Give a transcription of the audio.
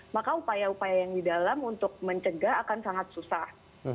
maka upaya upaya yang di dalam untuk mencegah akan sangat susah